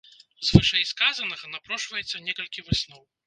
З вышэйсказанага напрошваецца некалькі высноў.